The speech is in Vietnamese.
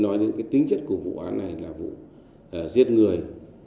nói đến cái tính chất của vụ án này là vụ giết người